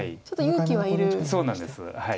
ちょっと勇気はいる手なんですね。